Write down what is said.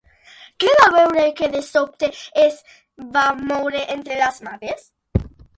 Què va veure que de sobte es va moure entre les mates?